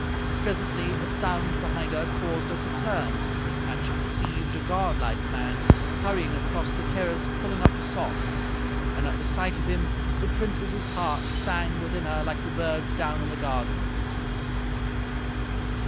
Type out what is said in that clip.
Presently a sound behind her caused her to turn, and she perceived a godlike man hurrying across the terrace pulling up a sock. And at the sight of him the Princess's heart sang within her like the birds down in the garden.